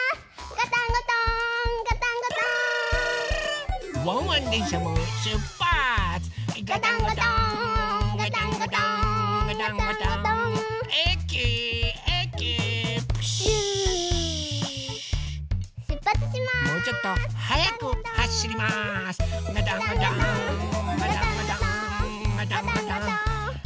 ガタンゴトーンガタンゴトーンガタンゴトーンガタンゴトーン。